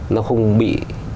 nó không bị